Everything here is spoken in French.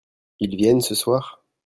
ils viennent ce soir ?